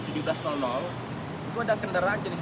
itu ada kendaraan jenis